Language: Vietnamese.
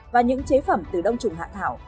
và những chế phẩm từ đông trùng hạ thảo